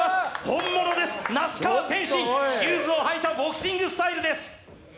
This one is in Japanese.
本物です、那須川天心、シューズを履いたボクシングスタイルです。